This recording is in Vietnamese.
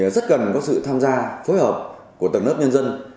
rất cần có sự tham gia phối hợp của tầng lớp nhân dân